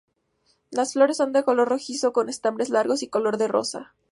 Las flores son de color rojizo, con estambres largos y color de rosa.